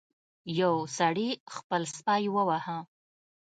یو سړي خپل سپی وواهه.